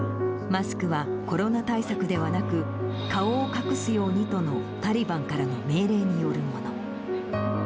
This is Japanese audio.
マスクはコロナ対策ではなく、顔を隠すようにとの、タリバンからの命令によるもの。